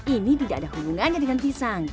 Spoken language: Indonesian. ini tidak ada hubungannya dengan pisang